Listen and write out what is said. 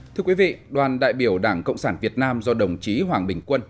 thưa quý vị đoàn đại biểu đảng cộng sản việt nam do đồng chí hoàng bình quân